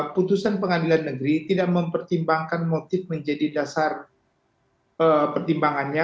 putusan pengadilan negeri tidak mempertimbangkan motif menjadi dasar pertimbangannya